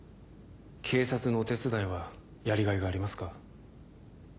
警察のお手伝いはやりがいがありますか？